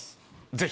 ぜひ！